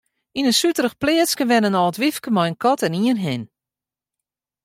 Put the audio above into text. Yn in suterich pleatske wenne in âld wyfke mei in kat en ien hin.